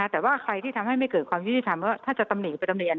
แต่ว่าใครที่ทำให้ไม่เกิดความยุติธรรมว่าถ้าจะตำหนิไปตำหนิ